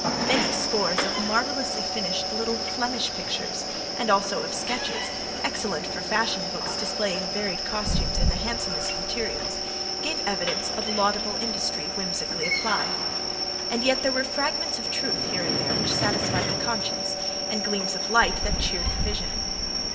Many scores of marvellously finished little Flemish pictures, and also of sketches, excellent for fashion books displaying varied costumes in the handsomest materials, gave evidence of laudable industry whimsically applied. And yet there were fragments of truth here and there which satisfied the conscience, and gleams of light that cheered the vision.